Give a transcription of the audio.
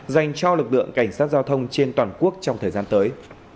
dành cho lực lượng cảnh sát giao thông trên toàn quốc trong thời gian tới